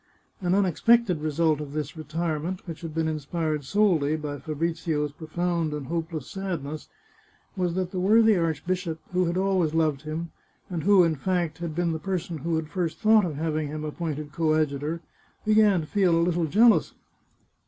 An unexpected result of this retirement, which had been inspired solely by Fabrizio's pro found and hopeless sadness, was that the worthy archbishop, who had always loved him, and who, in fact, had been the person who had first thought of having him appointed coad jutor, began to feel a little jealous.